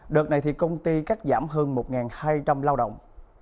đợt này thì công ty cắt giảm hơn một hai trăm linh lao động